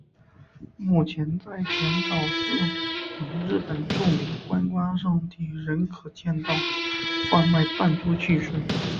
目前在浅草寺等日本著名观光胜地仍可见到贩卖弹珠汽水。